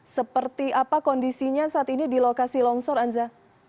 seperti apa kondisinya saat ini di lokasi longsor anza